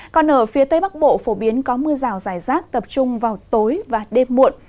còn ở phía tây bắc bộ phổ biến có mưa rào rải rác tập trung vào tối và đêm muộn